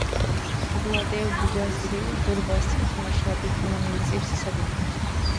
Илала дев бугаси, зурбаси, тамашала пикрумани бицӀибси саби.